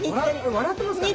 笑ってますかね。